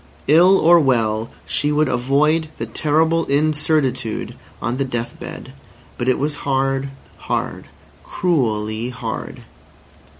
Ill or well she would avoid the horrible incertitude on the death bed. But it was hard, hard, cruelly hard.